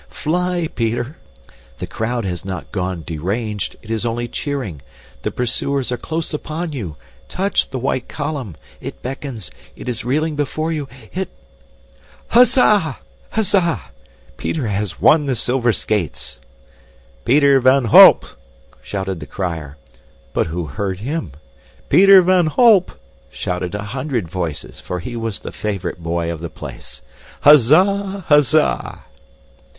Fly, Peter! The crowd has not gone deranged, it is only cheering. The pursuers are close upon you! Touch the white column! It beckons it is reeling before you it "Huzza! Huzza! Peter has won the silver skates!" "Peter van Holp!" shouted the crier. But who heard him? "Peter van Holp!" shouted a hundred voices, for he was the favorite boy of the place. "Huzza! Huzza!"